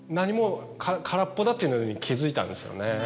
だっていうのに気付いたんですよね。